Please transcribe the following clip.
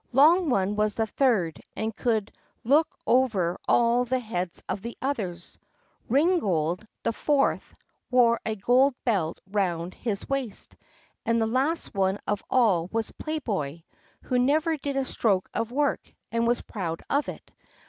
Long one was the third, and could look over all the heads of the others. Ringold, the fourth, wore a golden belt round his waist; and the last one of all was Playboy, who never did a stroke of work, and was proud of it.